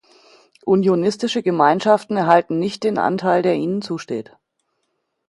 Unionistische Gemeinschaften erhalten nicht den Anteil, der ihnen zusteht.